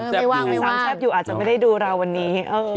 สามแซ่บอยู่อาจจะไม่ได้ดูเราวันนี้